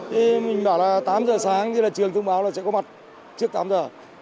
thế mình bảo là tám giờ sáng như là trường thông báo là sẽ có mặt trước tám giờ